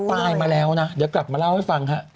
ตายมาแล้วนะเดี๋ยวกลับมาเล่าให้ฟังฮะ